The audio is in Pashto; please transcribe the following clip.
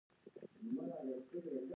ازموینه د پوهې ارزول دي.